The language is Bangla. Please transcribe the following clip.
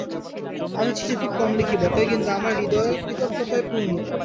আমি চিঠি খুব কম লিখি বটে, কিন্তু আমার হৃদয় কৃতজ্ঞতায় পূর্ণ।